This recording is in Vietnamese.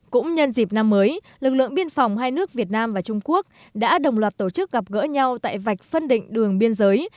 cũng nhân dịp năm mới lực lượng biên phòng hai nước việt nam và trung quốc đã đồng loạt tổ chức gặp gỡ nhau tại vạch phân định đường biên giới